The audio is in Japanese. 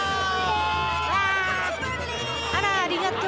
あらありがとう。